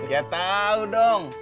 ya tahu dong